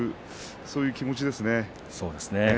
そういう気持ちですね。